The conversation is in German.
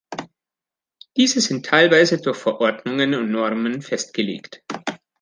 Diese sind teilweise durch Verordnungen und Normen festgelegt.